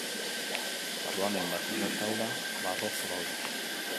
Barruan, hainbat erretaula barroko daude.